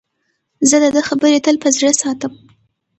زه د ده خبرې تل په زړه ساتم.